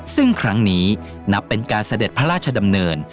ซึ่งครั้งนี้นับเป็นการเสด็จพระราชดำเนิน